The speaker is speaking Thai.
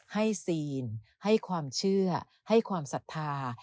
ซีนให้ความเชื่อให้ความศรัทธา